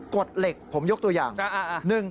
กฎเหล็กผมยกตัวอย่าง